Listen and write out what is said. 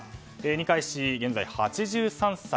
二階氏、現在８３歳。